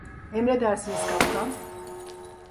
Emredersiniz kaptan.